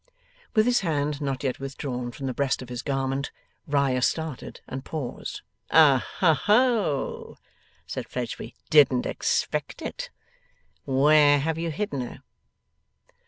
With his hand not yet withdrawn from the breast of his garment, Riah started and paused. 'Oho!' said Fledgeby. 'Didn't expect it! Where have you hidden her?